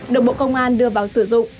đồng bộ công an đưa vào sử dụng